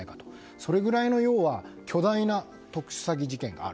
そのぐらいの巨大な特殊詐欺被害がある。